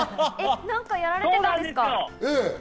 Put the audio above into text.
何かやられていたんですか？